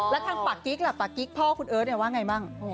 แล้วทางปากกิ๊กล่ะปากกิ๊กพ่อคุณเอิร์ทว่าไงบ้าง